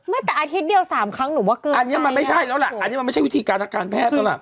แต่อาทิตย์เดียวสามครั้งหนูว่าเกินอันนี้มันไม่ใช่แล้วล่ะอันนี้มันไม่ใช่วิธีการอาการแพทย์แล้วล่ะ